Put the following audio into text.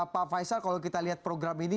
pak faisal kalau kita lihat program ini